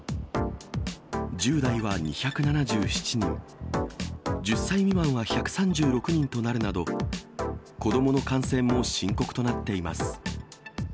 １０代は２７７人、１０歳未満は１３６人となるなど、子どもの感染も深刻となっています。